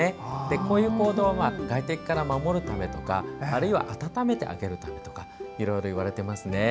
こういう行動は外敵から守るためとかあるいは温めてあげるためとかいろいろいわれていますね。